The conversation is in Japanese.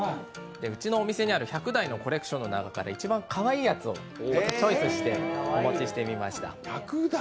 うちのお店にある１００台のコレクションの中で一番かわいいやつをチョイスしてお持ちしてみました。